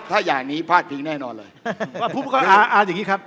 ถ้าอย่างนี้พลาดพิงแน่นอนเลย